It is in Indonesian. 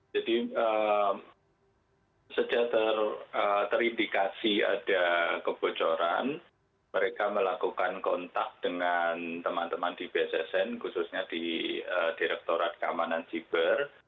jadi sejak teritikasi ada kebocoran mereka melakukan kontak dengan teman teman di bssn khususnya di direktorat kamar